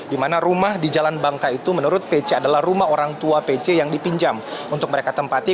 di mana rumah di jalan bangka itu menurut pc adalah rumah orang tua pc yang dipinjam untuk mereka tempati